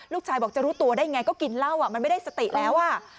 ลูกชายบอกจะรู้ตัวได้ไงก็กินเหล้ามันไม่ได้สติแล้ว